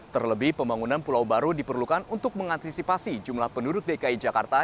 terlebih pembangunan pulau baru diperlukan untuk mengantisipasi jumlah penduduk dki jakarta